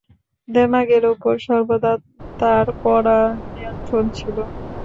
দেমাগের উপর সর্বদা তার কড়া নিয়ন্ত্রণ ছিল।